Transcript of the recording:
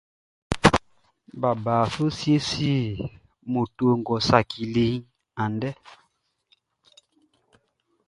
Baba su siesie moto ngʼɔ saciliʼn andɛ.